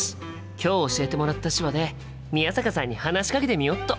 今日教えてもらった手話で宮坂さんに話しかけてみよっと！